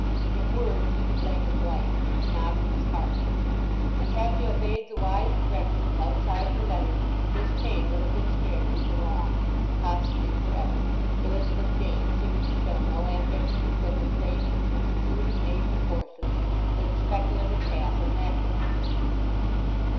In words he could blame his wife, but not in his heart; and had he obeyed the wise directions outside her letter this pain would have been spared him for long—possibly for ever, Elizabeth Jane seeming to show no ambition to quit her safe and secluded maiden courses for the speculative path of matrimony.